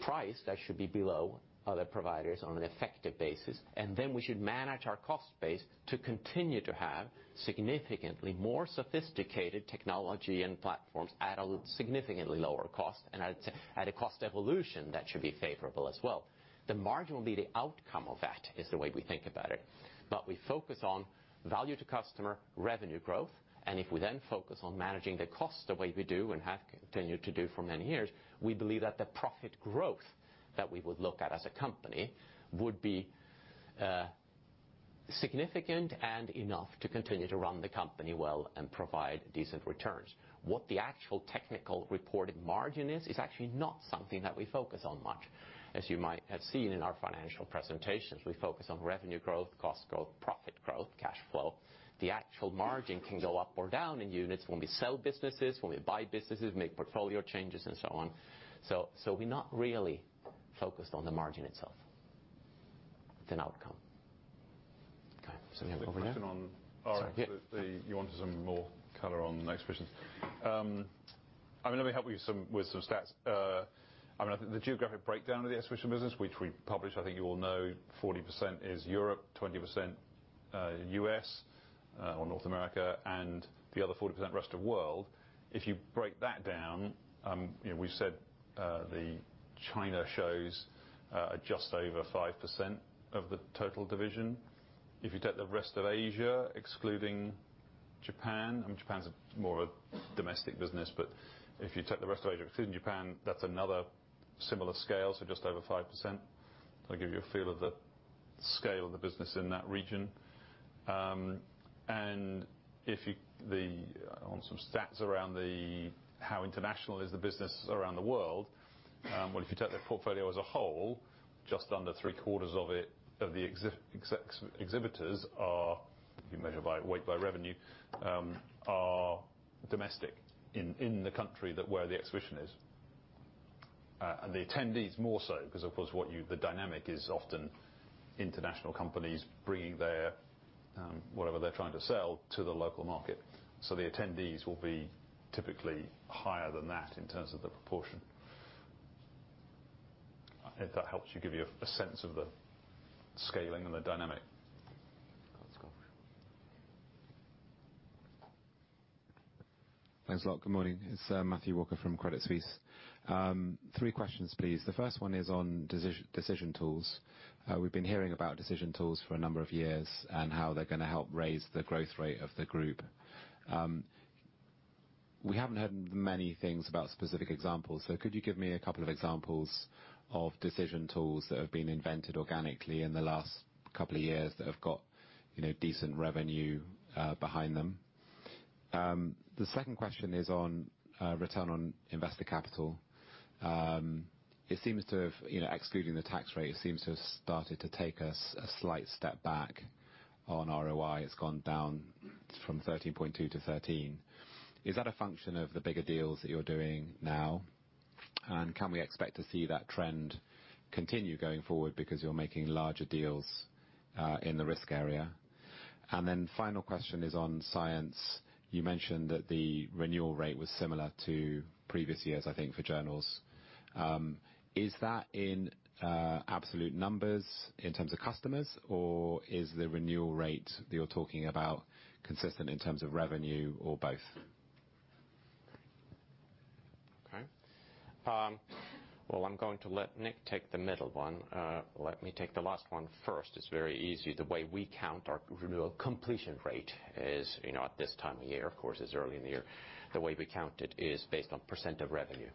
price that should be below other providers on an effective basis. Then we should manage our cost base to continue to have significantly more sophisticated technology and platforms at a significantly lower cost and at a cost evolution that should be favorable as well. The margin will be the outcome of that is the way we think about it. We focus on value to customer, revenue growth, and if we then focus on managing the cost the way we do and have continued to do for many years, we believe that the profit growth that we would look at as a company would be significant and enough to continue to run the company well and provide decent returns. What the actual technical reported margin is actually not something that we focus on much. As you might have seen in our financial presentations, we focus on revenue growth, cost growth, profit growth, cash flow. The actual margin can go up or down in units when we sell businesses, when we buy businesses, make portfolio changes and so on. We're not really focused on the margin itself. It's an outcome. Okay. Question on- Sorry, yeah. You wanted some more color on Exhibitions. Let me help you with some stats. I think the geographic breakdown of the Exhibitions business, which we publish, I think you all know 40% is Europe, 20% U.S. or North America and the other 40% rest of world. If you break that down, we said the China shows are just over 5% of the total division. If you take the rest of Asia, excluding Japan, and Japan's more a domestic business, but if you take the rest of Asia, excluding Japan, that's another similar scale, so just over 5%. That'll give you a feel of the scale of the business in that region. On some stats around how international is the business around the world, well, if you take the portfolio as a whole, just under three quarters of the exhibitors are, if you measure by weight, by revenue, are domestic in the country where the exhibition is. The attendees more so because, of course, the dynamic is often international companies bringing whatever they're trying to sell to the local market. The attendees will be typically higher than that in terms of the proportion. If that helps you give you a sense of the scaling and the dynamic. Thanks a lot. Good morning. It's Matthew Walker from Credit Suisse. Three questions, please. The first one is on decision tools. We've been hearing about decision tools for a number of years and how they're going to help raise the growth rate of the group. We haven't heard many things about specific examples. Could you give me a couple of examples of decision tools that have been invented organically in the last couple of years that have got decent revenue behind them? The second question is on return on invested capital. Excluding the tax rate, it seems to have started to take a slight step back on ROI. It's gone down from 13.2 to 13. Is that a function of the bigger deals that you're doing now? Can we expect to see that trend continue going forward because you're making larger deals in the risk area? Final question is on science. You mentioned that the renewal rate was similar to previous years, I think, for journals. Is that in absolute numbers in terms of customers or is the renewal rate that you are talking about consistent in terms of revenue or both? Okay. Well, I'm going to let Nick take the middle one. Let me take the last one first. It's very easy. The way we count our renewal completion rate is, at this time of year, of course, it's early in the year, the way we count it is based on percent of revenue.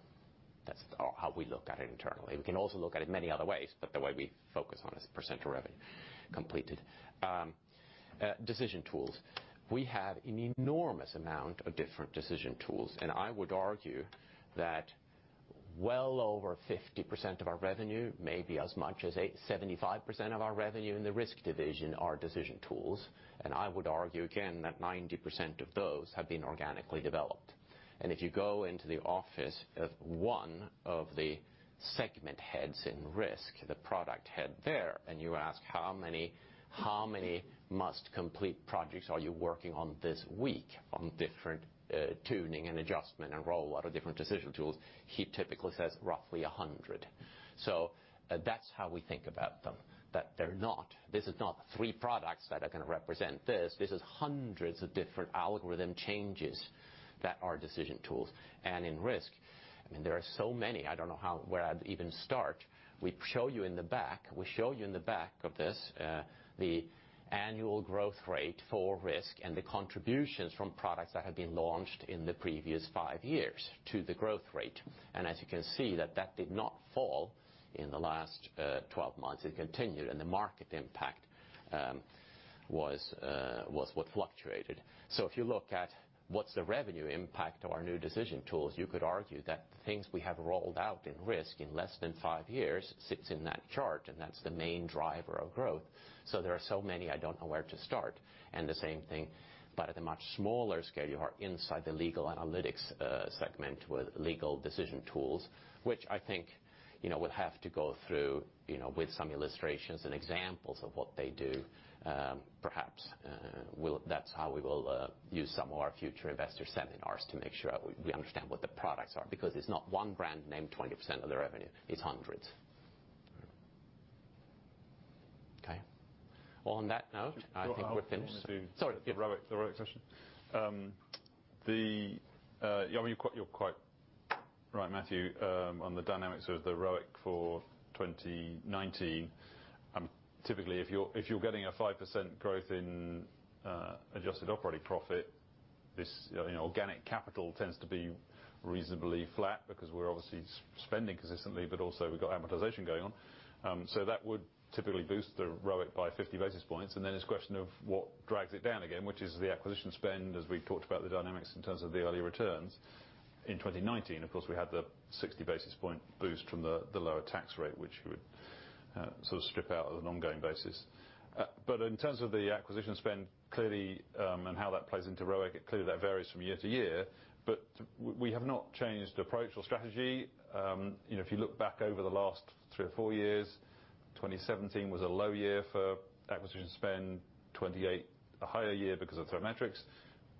That's how we look at it internally. We can also look at it many other ways, but the way we focus on is percent of revenue completed. Decision tools. We have an enormous amount of different decision tools, and I would argue that well over 50% of our revenue, maybe as much as 75% of our revenue in the risk division are decision tools. I would argue again that 90% of those have been organically developed. If you go into the office of one of the segment heads in Risk, the product head there, and you ask, "How many must complete projects are you working on this week on different tuning and adjustment and roll out of different decision tools?" He typically says roughly 100. That's how we think about them. This is not three products that are going to represent this. This is hundreds of different algorithm changes that are decision tools. In Risk, there are so many, I don't know where I'd even start. We show you in the back of this the annual growth rate for Risk and the contributions from products that have been launched in the previous five years to the growth rate. As you can see that that did not fall in the last 12 months. It continued and the market impact was what fluctuated. If you look at what's the revenue impact of our new decision tools, you could argue that things we have rolled out in Risk in less than five years sits in that chart, and that's the main driver of growth. There are so many, I don't know where to start. The same thing, but at a much smaller scale, you are inside the legal analytics segment with legal decision tools, which I think we'll have to go through with some illustrations and examples of what they do. Perhaps that's how we will use some of our future investor seminars to make sure we understand what the products are because it's not one brand name 20% of the revenue. It's hundreds. Okay. On that note, I think we're finished. Sorry. The ROIC session. You're quite right, Matthew, on the dynamics of the ROIC for 2019. Typically, if you're getting a 5% growth in Adjusted Operating Profit, this organic capital tends to be reasonably flat because we're obviously spending consistently, but also we've got amortization going on. That would typically boost the ROIC by 50 basis points. Then it's a question of what drags it down again, which is the acquisition spend as we talked about the dynamics in terms of the earlier returns. In 2019, of course, we had the 60 basis point boost from the lower tax rate, which we would sort of strip out as an ongoing basis. In terms of the acquisition spend and how that plays into ROIC, clearly that varies from year to year, but we have not changed approach or strategy. If you look back over the last three or four years, 2017 was a low year for acquisition spend, 2018 a higher year because of ThreatMetrix.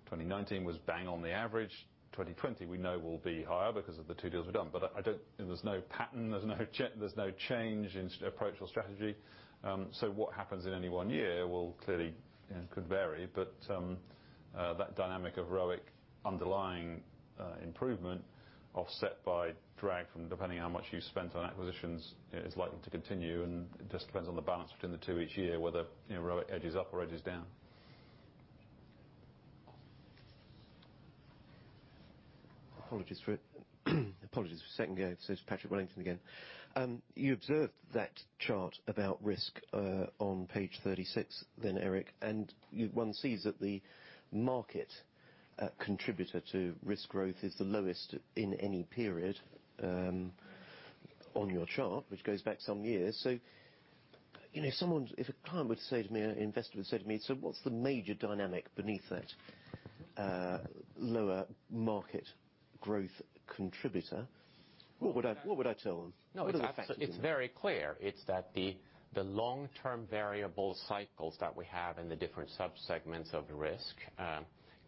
2019 was bang on the average. 2020 we know will be higher because of the two deals we've done. There's no pattern, there's no change in approach or strategy. What happens in any one year will clearly, could vary, but that dynamic of ROIC underlying improvement offset by drag from depending on how much you've spent on acquisitions is likely to continue, and it just depends on the balance between the two each year, whether ROIC edges up or edges down. Apologies for second go. It's Patrick Wellington again. You observed that chart about risk, on page 36 Erik, one sees that the market contributor to risk growth is the lowest in any period on your chart, which goes back some years. If a client were to say to me, or investor would say to me, "So what's the major dynamic beneath that lower market growth contributor?" What would I tell them? What are the factors? No, it's very clear. It's that the long-term variable cycles that we have in the different subsegments of Risk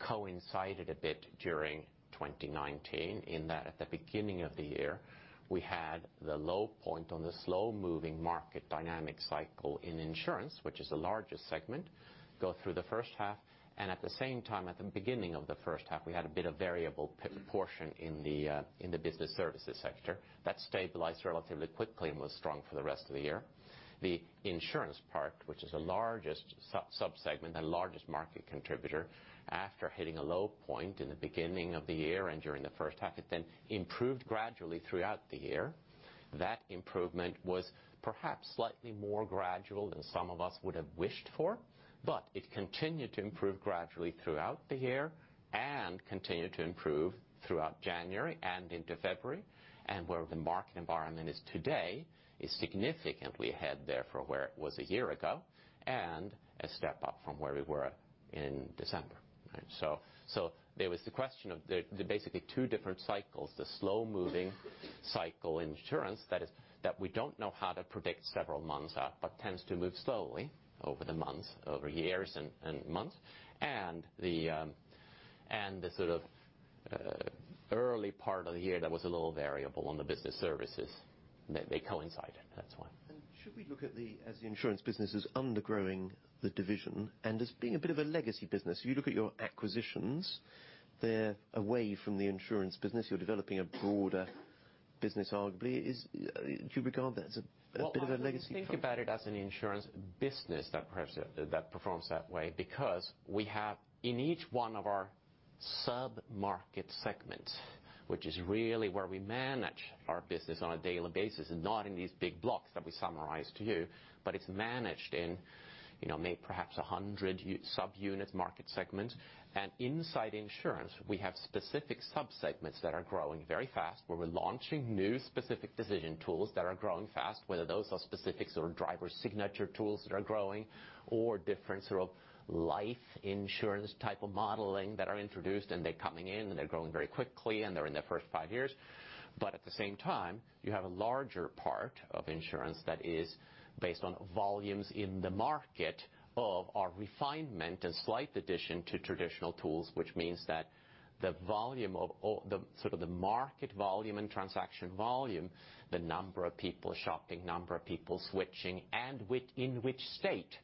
coincided a bit during 2019, in that at the beginning of the year, we had the low point on the slow-moving market dynamic cycle in insurance, which is the largest segment, go through the first half. At the same time, at the beginning of the first half, we had a bit of variable portion in the business services sector. That stabilized relatively quickly and was strong for the rest of the year. The insurance part, which is the largest subsegment and largest market contributor, after hitting a low point in the beginning of the year and during the first half, it then improved gradually throughout the year. That improvement was perhaps slightly more gradual than some of us would have wished for. It continued to improve gradually throughout the year and continued to improve throughout January and into February. Where the market environment is today is significantly ahead there from where it was a year ago, and a step up from where we were in December. Right? There was the question of the basically two different cycles. The slow-moving cycle in insurance, that we don't know how to predict several months out, but tends to move slowly over the years and months. The sort of early part of the year that was a little variable on the business services. They coincided, that's why. Should we look at as the insurance business is undergrowing the division, and as being a bit of a legacy business? You look at your acquisitions, they're away from the insurance business. You're developing a broader business arguably. Do you regard that as a bit of a legacy problem? Well, I wouldn't think about it as an insurance business that performs that way, because we have in each one of our sub-market segments, which is really where we manage our business on a daily basis, and not in these big blocks that we summarize to you. It's managed in perhaps 100 sub-unit market segments. Inside insurance, we have specific subsegments that are growing very fast, where we're launching new specific decision tools that are growing fast, whether those are specifics or driver signature tools that are growing, or different sort of life insurance type of modeling that are introduced, and they're coming in and they're growing very quickly and they're in their first five years. At the same time, you have a larger part of insurance that is based on volumes in the market of our refinement and slight addition to traditional tools, which means that the sort of the market volume and transaction volume, the number of people shopping, number of people switching, and in which state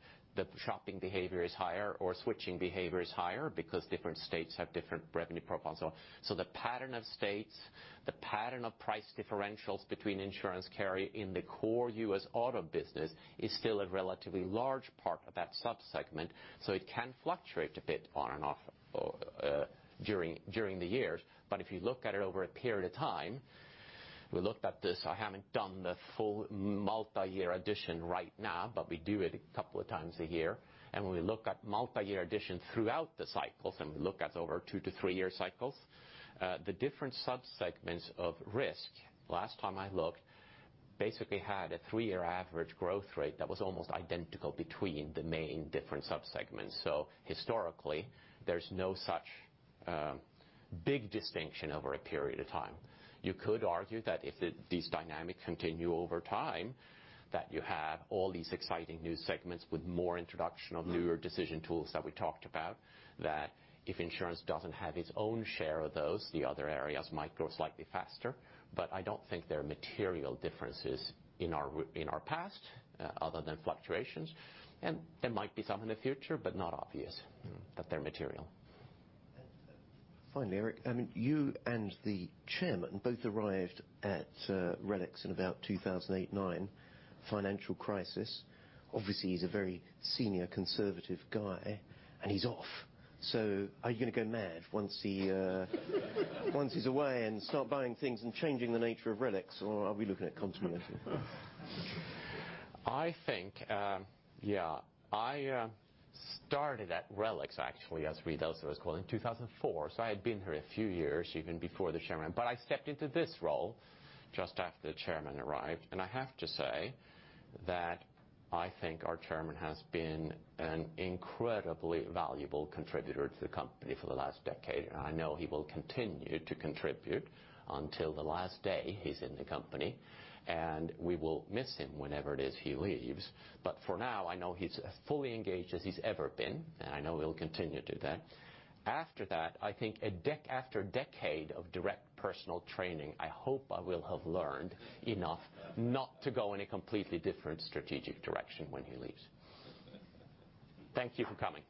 the shopping behavior is higher or switching behavior is higher because different states have different revenue profiles. The pattern of states, the pattern of price differentials between insurance carry in the core U.S. auto business is still a relatively large part of that subsegment. It can fluctuate a bit on and off during the years. If you look at it over a period of time, we looked at this, I haven't done the full multi-year edition right now, but we do it a couple of times a year. When we look at multi-year edition throughout the cycles, and we look at over two to three-year cycles, the different subsegments of Risk, last time I looked, basically had a three-year average growth rate that was almost identical between the main different subsegments. Historically, there's no such big distinction over a period of time. You could argue that if these dynamics continue over time, that you have all these exciting new segments with more introduction of newer decision tools that we talked about, that if insurance doesn't have its own share of those, the other areas might grow slightly faster. I don't think there are material differences in our past, other than fluctuations. There might be some in the future, but not obvious that they're material. Finally, Erik, you and the Chairman both arrived at RELX in about 2008, 2009, financial crisis. Obviously, he's a very senior conservative guy and he's off. Are you going to go mad once he once he's away and start buying things and changing the nature of RELX? Or are we looking at continuity? I think, yeah. I started at RELX actually as Reed Elsevier was called in 2004. I had been here a few years even before the chairman. I stepped into this role just after the chairman arrived. I have to say that I think our chairman has been an incredibly valuable contributor to the company for the last decade, and I know he will continue to contribute until the last day he's in the company. We will miss him whenever it is he leaves. For now, I know he's as fully engaged as he's ever been. I know he'll continue to do that. After that, I think after a decade of direct personal training, I hope I will have learned enough not to go in a completely different strategic direction when he leaves. Thank you for coming.